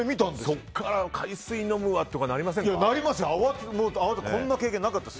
そこから海水飲むわとかなりませんでした？